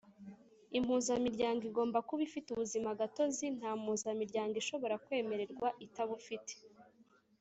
Impuzamiryango igomba kuba ifite ubuzimagatozi nta mpuzamiryango ishobora kwemererwa itabufite